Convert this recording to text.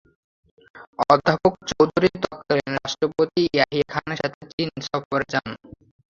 অধ্যাপক চৌধুরী তৎকালীন রাষ্ট্রপতি ইয়াহিয়া খানের সাথে চীন সফরে যান।